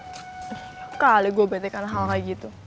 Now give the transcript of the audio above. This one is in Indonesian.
gak ada gue bete kan hal kayak gitu